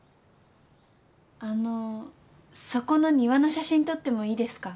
あのうそこの庭の写真撮ってもいいですか？